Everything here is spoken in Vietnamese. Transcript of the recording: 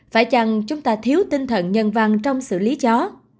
phải chăng chúng ta thiếu tinh thần nhân văn trong xử lý chó